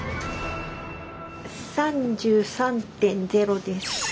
３３．０です。